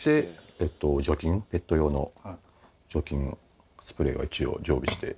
えっと除菌ペット用の除菌スプレーは一応常備して。